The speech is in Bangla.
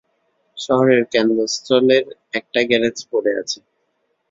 শহরের কেন্দ্রস্থলের একটা গ্যারেজে পড়ে আছে।